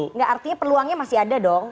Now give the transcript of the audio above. enggak artinya peluangnya masih ada dong